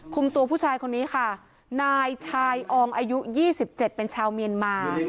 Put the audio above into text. คุมตัวผู้ชายคนนี้ค่ะนายชายอองอายุ๒๗เป็นชาวเมียนมา